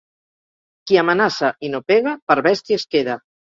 Qui amenaça i no pega, per bèstia es queda.